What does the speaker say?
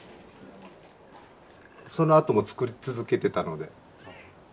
そのあともつくり続けてたので。